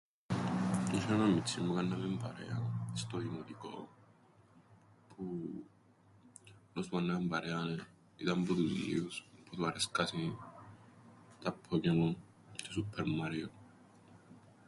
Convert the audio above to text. Έσ̆ει έναν μιτσήν που εκάμναμεν παρέαν στο δημοτικόν, που ο λόγος που εκάμναμεν παρέαν ήταν που τους λλίους που του αρέσκασιν τα Pokemon τζ̆αι o Super Mario.